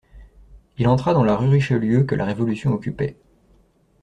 Il entra dans la rue Richelieu que la révolution occupait.